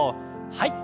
はい。